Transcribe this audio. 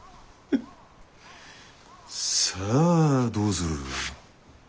フッさあどうする？